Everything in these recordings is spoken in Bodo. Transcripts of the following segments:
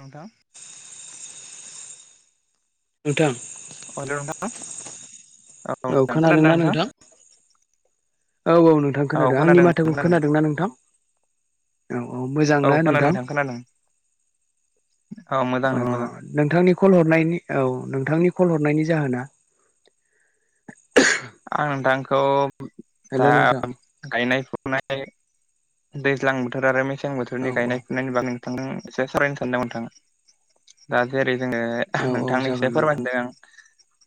नोंथां नोंथां [unintelligible] औ नोंथां खोनादों ना खोनादोंना नोंथां औ औ नोंथां खोनादों आंनि माथौखौ खोनादों ना नोंथां औ औ मोजांना औ खोनादों नोंथां? खोनादों औ मोजां ओ नोंथां मोजां नोंथांनि कल हरनायनि औ नोंथांनि कल हरनायनि जाहोना आं नोंथांखौ हेल' दा नोंथां गायनाय फुनाय दैज्लां बोथोर आरो मेसें औ बोथोरनि औ गायनाय फुनायनि बाग थांदों इसे सावरायनो सानदोंमोन नोंथाङा दा जेरै जो औ औ जागोन नोंथांनिसे नोंथां फोरमायदों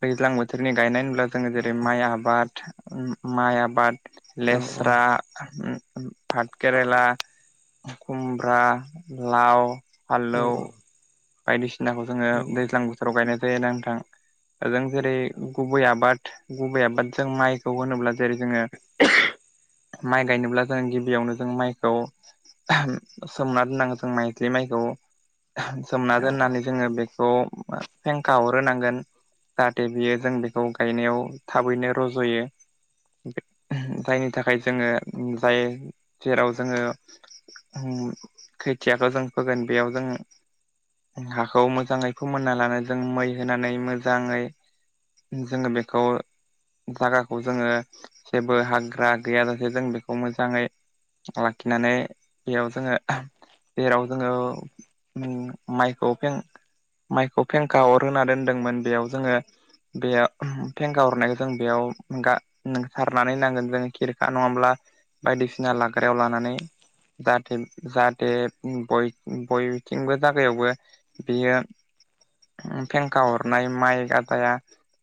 दैज्लां बोथोरनि गायनाय ब्ला जोङो औ जेरै औ माइ आबाद ओम माइ आबाद औ औ लेस्रा ओम भाट केरला खुमब्रा लाव औ फल्लौ बायदिसिनाखौ जोङो औ दैज्लां बोथोराव गायनाय जायो ना नोंथां जों जेरै गुबै आबाद गुबै आबाद जों माइखौ होनोब्ला जेरै जोङो माइ गायनोब्ला जों गिबियावनो जों माइखौ सोमना दोननांगौ जों माइथ्लि माइखौ सोमना औ दोननानै जोङो बे खौ फेंखा हरहोनांगोन जाहाथे बियो जों बेखौ गायनायाव थाबैनो रज'यो जायनि थाखाय जोङो जाय जेराव जोङो ओम खोथियाखौ जों फोगोन बेयाव जों हाखौ मोजाङै फोमोनना लानो जों मै होनानै मोजाङै जोङो बेखौ जागाखौ जोङो जेबो हाग्रा गैयाजासे जों बेखौ मोजाङै लाखिनानै बेयाव जोङो जेराव जोङो माइखौ फें माइखौ फेंखा अर होना दोनदोंमोन बेयाव जोङो बेयाव फेंखा हरनायखौ जों बेयाव गार नों सारनानै होनांगोन जों खेरखा नङाब्ला बायदिसिना लाग्रायाव लानानै जाहाथे जाहाथे बयब बयथिंबो जागायावबो बेयो फेंखा हरनाय माइ गादाया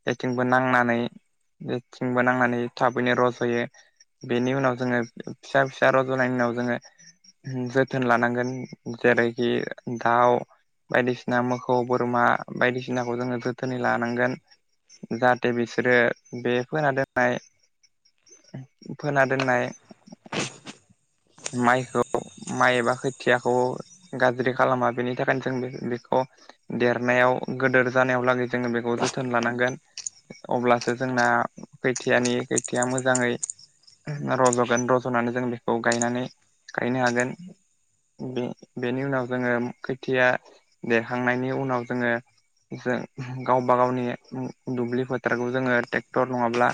बेथिंबो नांनानै बेथिंबो नांनानै थाबैनो रज'यो बेनि उनाव जोङो फिसा फिसा रज'नायनि उनाव जोङो जोथोन लानांगोन जेरैखि दाउ बायदिसिना मोसौ बोरमा बायदिसिनाखौ जोङो जोथोनै लानांगोन। जाहाथे बिसोरो बे खोन दोननाय [unintelligible] फोना दोननाय माइखौ माइ एबा खोथियाखौ गाज्रि खालामा बेनि थाखायनो जों बेखौ देरनायाव गोदोर जानायाव लागै जोङो बेखौ जोथोन लानांगोन। अब्लासो जोंना खैथियानि खैथिया मोजाङै रज'गोन रज'नानै जों बेखौ गायनानै गायनो हागोन। बे बेनि उनाव जोङो खैथिया देरखांनायनि उनाव जोङो जों गावब गावनि दुब्लि फोथारखौ जोङो ट्रेक्टर नङाब्ला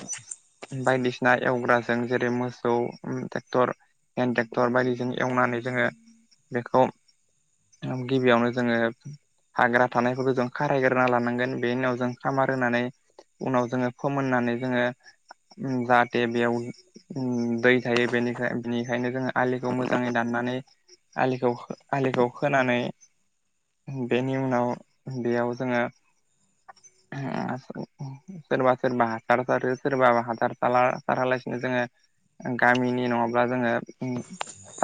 बायदिसिना एवग्राजों जेरै मोसौ ट्रेक्टर हेन्द ट्रेक्टर बायदिजों एवनानै जोङो बेखौ थाम गिबियावनो जोडो हाग्रा थानायफोरखौ जों खारायग्रोना लानांगोन बेनि उनाव जों खामार होनानै उनाव जोङो फोमोननानै जोङो जाहाथे बेयाव दै थायो बेनिखाय बेनिखायनो जोङो आलिखौ मोजाङै दाननानै आलिखौ आलिखौ खोनानै बेनि उनाव बेयाव जोङो सोरबा सोरबा हासार सारो सोरबा हासार सारालासिनो जोङो गामिनि नङाब्ला जोङो ओ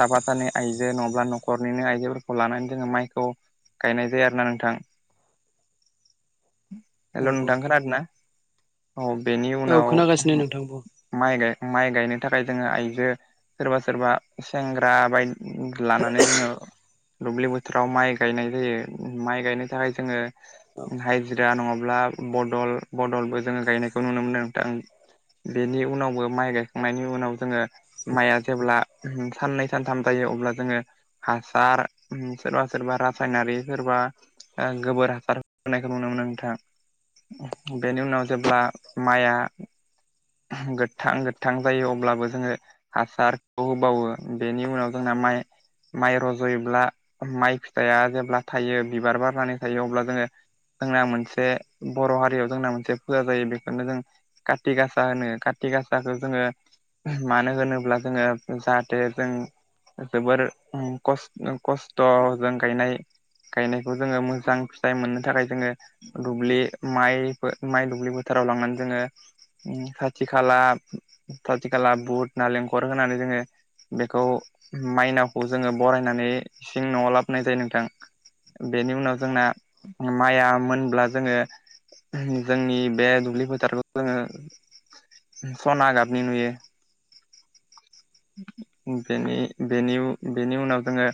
सााबा सानै आइजो नङाब्ला न'खरनिनो आइजोफोरखौ लानानै जोङो माइखौ गायनाय जायो आरोना नोंथां। हेल' औ नोंथां औ खोनादों ना औ बेनि खोनागासिनो उनाव नोंथां बुं माइ गाय माइ गायनो थाखाय जोङो आइजो सोरबा सोरबा सेंग्रा बायदि लानानै जोङो दुब्लि बोथोराव माइ गायनाय जायो माइ गायनो थाखाय जोङो औ हाजिरा नङाब्ला बदल बदलबो जोङो गायनायखौ नुनो मोनदों नोंथां। बेनि उनावबो माइ गायखांनायनि उनाव जोङो माइआ जेब्ला साननै सानथाम जायो अब्ला जोङो हासार सोरबा सोरबा रासायनारि सोरबा गोबोर हासार होनायखौ नुनो मोनो। नोंथां बेनि उनाव जेब्ला माइआ गोथां गोथां जायो अब्लाबो जोङो हासारखौ होबावो बेनि उनाव जोंना माइ माइ रज'योब्ला माइ फिथाइआ जेब्ला थायो बिबार बारनानै थायो अब्ला जोङो जोंना मोनसे बर' हारियाव जोंना मोनसे फुजा जायो बेफोरनो जों काति गासा होनो। काति गासाखौ जोङो मानो होनोब्ला जोङो जाहाथे जों जोबोर खस्थ'जों गायनाय गायनायखौ जोङो मोजां फिथाइ मोननो थाखाय जोङो दुब्लि माइ माइ दुब्लि बोथोर जला [unintelligible] खर होनानै जोङो बेखौ माइनावखौ जोङो बरायनानै इसिं न'आव लाबोनाय जायो नों नोंथां बेनि उनाव जोंना माइआ मोनब्ला जोङो जोंनि बे दुब्लि फोथारखौ जोङो सना गाबनि नुयो। बेनि बेनि उनाव जोङो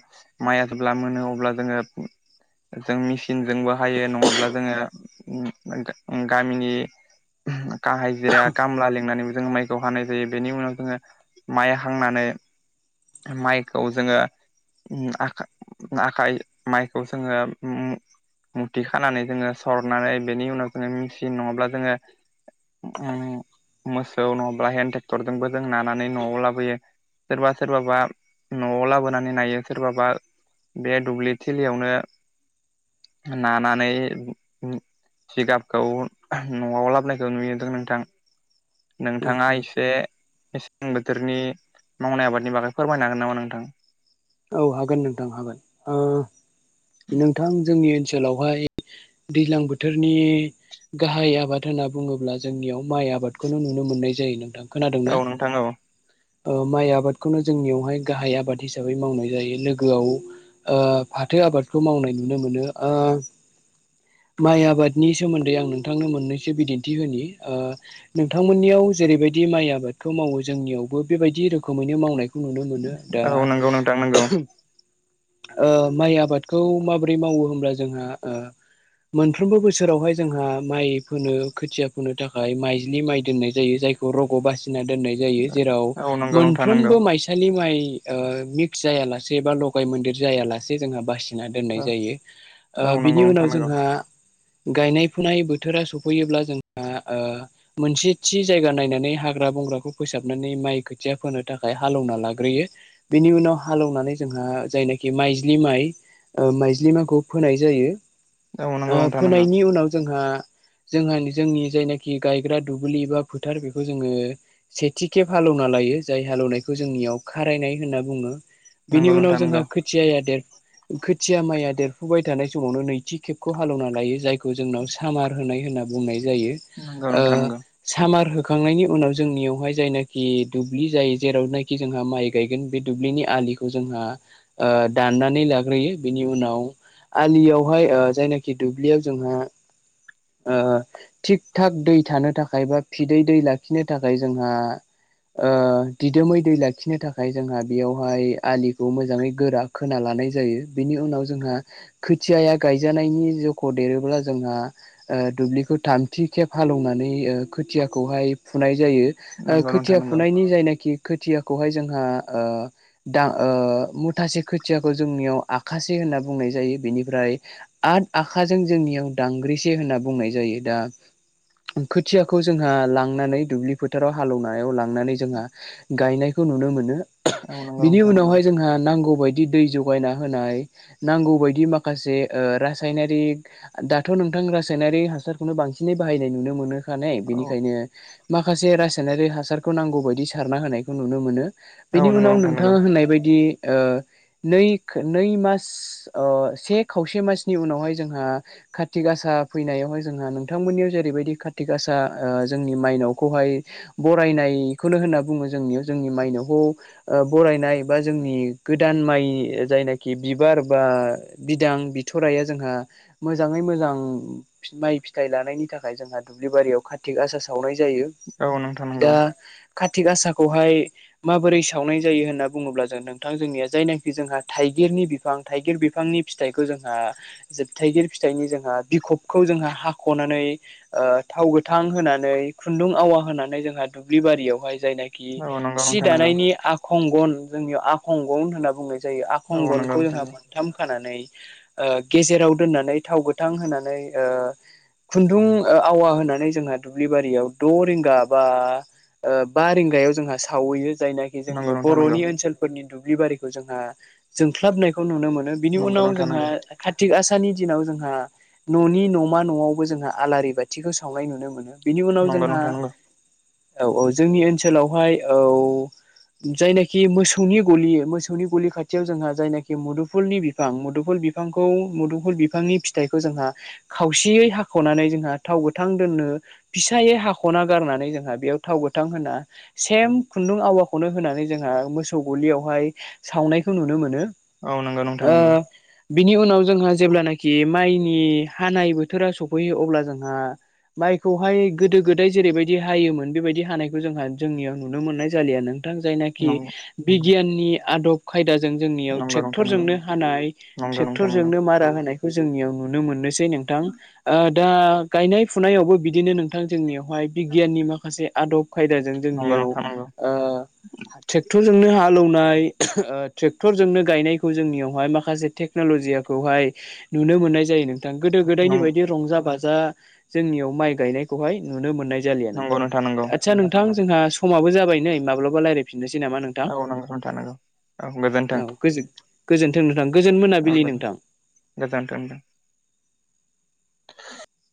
माइया जेब्ला मोनो अब्ला जोङो गु [inaudible] जों मेचिनजोंबो हायो नङाब्ला जोङो गामिनि हाजिरा खामला लेंंनानैबो जोङो माइखौ हानाय जायो बेनि उनाव जोङो माइ हांनानै माइखौ जोङो। आ आखाइ माइखौ जोङो ओम मुथि खानानै जोङो सरनानै बेनि उनाव जोङो मेचिन नङाब्ला जोङो मे मोसौ नङाब्ला हन्द ट्रेक्टरजोंबो जों नानानै न'आव लाबोयो सोरबा सोरबाबा न'आव लाबोनानै नायो सोरबाबा बे दुब्लिथिलियावनो नानानै उम जिगाबखौ न'आव लाबोनायखौ नुयोद्रो नोंथां। उम नोंथाङा उम एसे मेसें बोथोरनि मावनाय आबादनि बागै फोरमायनो हागोन नामा नोंथां? औ हागोन नोंथां हागोन ओ नोंथां जोंनि ओनसोलावहाय दैज्लां बोथोरनि गाहाय आबाद होनना बुङोब्ला जोंनियाव माइ आबादखौनो नुनो मोननाय जायो नोंथां। खोनादोंना औ नोंथां औ। ओ माइ आबादखौनो जोंनियावहाय गाहाय आबाद हिसाब बै मावनाय जायो लोगोआव ओ फाथो आबादखौ मावनाय नुनो मोनो ओ माइ आबादनि सोमोन्दै आं नोंथांनो मोननैसो बिदिन्थि होनि ओ नोंथांमोननियाव जे ओरैबायदि माइ आबादथ' मावो जोंनियावबो बेबायदि रोखोमैनो मावनाय खौ नुनो मोनो दा औ नंगौ नोंथां नंगौ ओ माइ आबादखौ माबोरै मावो होमब्ला जोंहा ओ मोनफ्रोमबो बोसोरावहाय जोंहा माइ फुनो खोथिया फुनो थाखाय माइज्लि माइ दोननाय जायो जायखौ रग' बासिना दोननाय जायो जेराव औ नंगौ नोंथां नंगौ मोनफ्रोमबो माइसालि माइ ओ मिक्स जायालासे बा लगाय मोनदिर जायालासे जोंहा बासि ना दोननाय औ जायो ओ नंगौ बिनि उनाव नोंथां नंगौ जोंहा गायनाय फुनाय बोथोरा सफैयोब्ला जोंहा ओ मोनसे थि जायगा नायनानै हाग्रा बंग्राखौ फोसाबनानै माइ खोथिया फोनो थाखाय हालौना लाग्रोयो बेनि उनाव हालौनानै जोंहा जायनाखि माइज्लि माइ ओ माइज्लि माइखौ फोनाय जायो। औ ओ नंगौ नोंथां नंगौ फोनायनि उनाव जोंहा जों आंनि जोंनि जायनाखि गायग्रा दुब्लि बा फोथार बेखौ जोङो सेथि खेफालु खना लायो जाय हाल एवनायखौ जोंनियाव खारायनाय होनना बुङो। बेनि नंगौ उनाव नोंथां जोंहा नंगौ खोथिया या देर खोथिया माइया देरफुबाय थानाय समावनो नैथि खेब खौ हालौना लायो जायखौ जोंनाव सामार होनाय होनना बुंनाय जायो नंगौ नोंथां ओ नंगौ सामार हो खांनायनि उनाव जोंनियावहाय जायनाखि दुब्लि जायो जेरावनाखि जोंहा माइ गायगोन बे दुब्लिनि आ लिखौ जोंहा ओ दाननानै लाग्रोयो बिनि उनाव आलिआवहाय ओ जायनाखि दुब्लियाव जोङो ओ थिग थाग दै थानो थाखाय बा फिदै दै लाखिनो थाखाय जोंहा ओ दिदोमै दै लाखिनो थाखाय जोंहा बेयावहाय आलिखौ मोजाङै गोरा खोना ला नाय जायो बेनि उनाव जोंहा खोथियाया गाय जानायनि जख' देरोब्ला जोंहा ओ दुब्लिखौ थामथि खेब हालौनानै ओ खोथिया खौहाय फुनाय जायो ओ नंगौ नोंथां खोथिया नंगौ फुनायनि जायनाखि खोथियाखौहाय जोंहा ओ दा ओ मुथासे खोथियाखौ जोंनियाव आखासे होनना बुंनाय जायो बेनिफ्राय आठ आखाजों जोंनियाव दांग्रिसे होनना बुंनाय जायो दा खोथियाखौ जोंहा लांनानै दुब्लि फोथाराव हाल एवनायाव लांनानै जोंहा गायनायखौ नुनो मोनो। औ नंगौ बिनि नोंथां नंगौ उनावहाय जोंहा नांगौ बाय दि दै जगायना होनाय नांगौ बायदि माखासे ओ रास सायनारिक दाथ' नोंथां रासायनारि हासारखौनो बांसिनै बाहायनाय नुनो मोनो। नानै औ बेनिखायनो माखासे रासायनारि हासारखौ नांगौ बायदि सारना होनायखौ नुनो मोनो। औ बेनि नंगौ उनाव नोंथां नंगौ नोंथाङा होननाय बायदि ओ नै खो नै मास अ से खावसे मास नि उनावहाय जोंहा खाथि गासा फैनायावहाय जोंहा नोंथांमोननियाव जेरैबायदि खाथि गासा ओ जोंनि मायनावखौहाय बरायनायखौनो होनना बुङो जोंनियाव जोंनि मायनावखौ ओ बर रायनाय बा जोंनि गोदान माइ जायनाखि बिबार बा बिदां बि थराया जोंहा मोजाङै मोजां फि माइ फिथाइ लानायनि थाखाय जोंहा दुब्लिबारियाव खाथि गासा सावनाय जायो औ नोंथां नंगौ दा। कार्तिक आसाखौहाय माबोरै सावनाय जायो होनना बुङोब्ला जों नोंथां जोंनिया जायनाखि जोंहा थाइ गिरनि बिफां थाइगिर बिफांनि फिथाइखौ जों। ओ जोब थायगिर फिथाइनि जोंहा बिखबखौ जोंहा हाख'नानै थाव गोथां होनानै खुन्दुं आवा होनानै जोंहा दुब्लि बारियावहाय जायनाखि औ नंगौ सि नोंथां नंगौ दानायनि आखंगन जोंनियाव आखंगन होनना बुङो जायो औ नंगौ आखंगनखौ नोंथां जोंहा नंगौ मोनथाम होखानानै ओ गेजेराव दोननानै थाव गोथां होनानै। खुन्दुं आवा होनानै जोंहा दुब्लि बारियाव द' रिंगा बा। बा रिंगायाव जोंहा सावैयो। जायनाखि जोंनि नोंथां नंगौ बर'नि ओनसोलफोरनि दुब्लि बारिखौ जोंहा जोंख्लबनायखौ नुनो मोनो। बिनि नंगौ उनाव नोंथां जोंहा। नंगौ थिग आसनि दिनाव जोंहा न'नि न'मा न'आवबो जोंहा आलारि बाथिखौ सावनाय नुनो मोनो। बिनि उनाव नंगौ जोंहा नोंथां नंगौ औ औ जोंनि ओनसोलावहाय औ। जायनाखि मोसौनि गलि मोसौनि गलि खाथियाव जोंहा जायनाखि मुदुफुलनि बिफां मुदुफुल बिफां। बिफांखौ मुदुंफुल बिफांनि फिथाइखौ जोंहा खावसेयै हाख'नानै जोंहा थाव गोथां दोननो। फिसायै हाख'ना गारनानै जोंहा बेयाव थाव गोथां होना सेम खुन्दुं आवाखौनो होनानै। जोंहा मोसौ गलियावहाय सावनायखौ नुनो मोनो। औ नंगौ नोंथा नोंगौ। ओ बिनि उनाव जोंहा जेब्लानाखि माइनि हानाय बोथोरा सफैयो अब्ला जोंहा। माइखौहाय गोदो गोदाय जेरैबायदि हायोमोन बेबायदि हानायखौ जोंहा जोंनियाव नुनो मोननाय जालिया नों। जायनाखि नंगौ बिगियाननि आदब खायदा। जों जोंनियाव नंगौ नोंथां ट्रेक्टर नंगौ जोंनो हानाय नंगौ ट्रेक्टर नोंथां जोंनो मारा होनायखौ जोंनियाव नुनो मोननोसै। नोंथां दा गायनाय फुनायावबो बिदिनो नोंथां जोंनियाव। हाय बिगियाननि माखासे आदब खायदाजों जोंनियाव। नंगौ ट्रेक्टरजोंनो हाललौनाय ट्रेक्टरजोंनो गायनायखौ जोंनियावहाय माखासे टे टेकन'ल'जि खौहाय नुनो मोननाय जायो नोंथां गोदो गोदायनि बायदि रंजा बाजा। जा जोंनियाव माइ गायनायखौहाय नुनो मोननाय जालिया नंगौ नोंथां नंगौ आदसा नोंथां। जोंहा समाबो जाबाय नै माब्लाबा रायलायफिनसै। नोसै नामा नोंथां औ नंगौ नोंथां नंगौ औ गोजोन्थों औ गोजोनथों नोंथां। मोनाबिलि नोंथां [inaudible] [inaudible]